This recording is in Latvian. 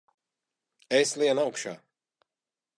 Es lienu augšā!